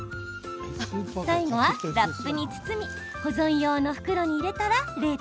最後はラップに包み保存用の袋に入れたら冷凍ＯＫ。